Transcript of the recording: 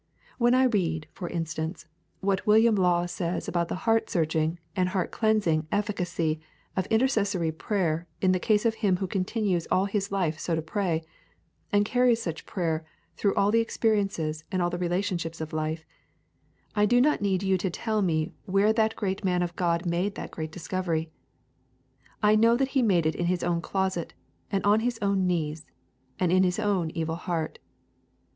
When I read, for instance, what William Law says about the heart searching and heart cleansing efficacy of intercessory prayer in the case of him who continues all his life so to pray, and carries such prayer through all the experiences and all the relationships of life, I do not need you to tell me where that great man of God made that great discovery. I know that he made it in his own closet, and on his own knees, and in his own evil heart.